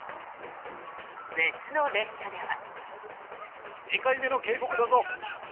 別の列車では。